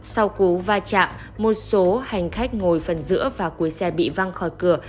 sau cú vai trạm một số hành khách ngồi phần giữa và cuối xe bị văng khỏi cửa